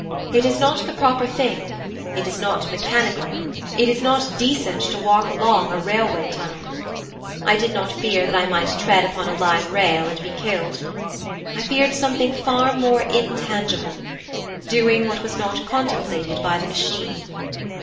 It is not the proper thing, it is not mechanical, it is not decent to walk along a railway tunnel. I did not fear that I might tread upon a live rail and be killed. I feared something far more intangible doing what was not contemplated by the Machine.